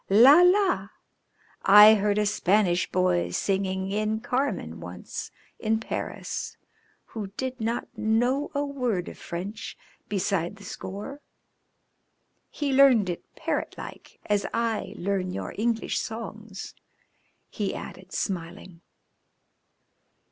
"La! la! I heard a Spanish boy singing in 'Carmen' once in Paris who did not know a word of French beside the score. He learned it parrot like, as I learn your English songs," he added, smiling.